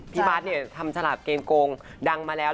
พี่บาร์ดทำฉลาดเกรงโกงดั่งมาแล้ว